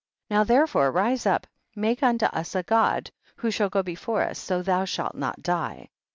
13. Now therefore rise up, make imto us a god who shall go before us, so that thou shalt not die.